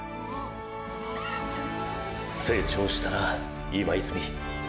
成長したな今泉。